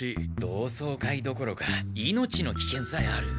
同窓会どころか命のきけんさえある。